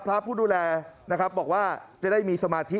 พระผู้ดูแลนะครับบอกว่าจะได้มีสมาธิ